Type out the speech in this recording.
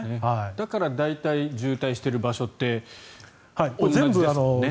だから大体、渋滞している場所って同じですもんね。